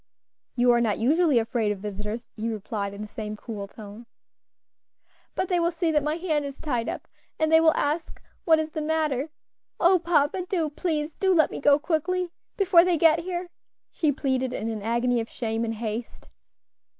"You are not usually afraid of visitors," he replied in the same cool tone. "But they will see that my hand is tied up, and they will ask what is the matter. O papa! do, please do let me go quickly, before they get here," she pleaded in an agony of shame and haste.